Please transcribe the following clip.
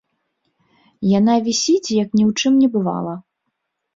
Яна вісіць, як ні ў чым не бывала.